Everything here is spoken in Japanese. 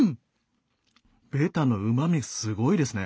ベタのうまみすごいですね。